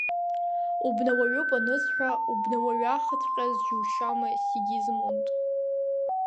Убнауаҩуп анысҳәа, убнауаҩхаҵәҟьаз џьушьома, Сигьизмунд?!